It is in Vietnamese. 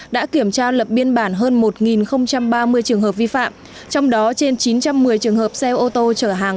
đã kiểm tra lập biên bản hơn một ba mươi trường hợp vi phạm trong đó trên chín trăm một mươi trường hợp xe ô tô chở hàng